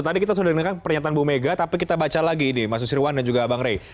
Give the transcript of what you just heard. tadi kita sudah dengarkan pernyataan bu mega tapi kita baca lagi ini mas susirwan dan juga bang rey